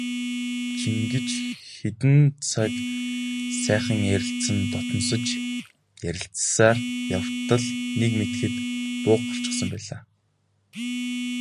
Чингэж хэдэн цаг сайхан ярилцан дотносож ярилцсаар явтал нэг мэдэхэд буух болчихсон байлаа.